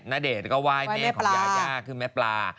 ณเดชน์ก็ไหว้แม่ของยายาคือแม่ปลา